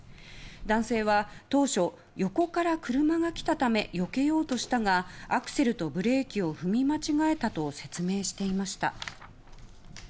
男性は、当初横から車が来たためよけようとしたがアクセルとブレーキを踏み間違えたと説明していました。